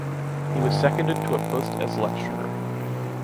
He was seconded to a post as lecturer.